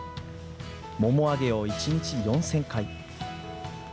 ももあげを１日４０００回。